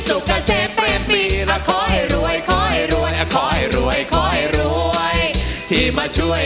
ทุนี่นและเพลงที่จับการตกลับขวังภาพด้วย